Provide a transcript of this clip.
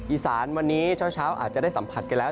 อีสานวันนี้เช้าอาจจะได้สัมผัสกันแล้ว